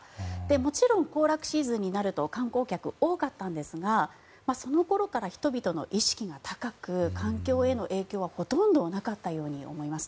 もちろん行楽シーズンになると観光客が多かったんですがその頃から人々の意識が高く環境への影響はほとんどなかったように思います。